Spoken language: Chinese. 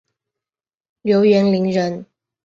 刘元霖人。